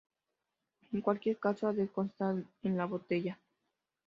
En cualquier caso, ha de constar en la botella.